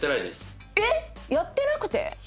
えっ⁉やってなくて？